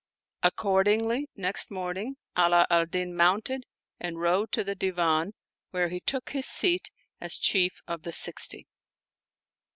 Accordingly, next morn ing Ala al Din mounted and rode to the Divan, where he took his seat as Chief of the Sixty.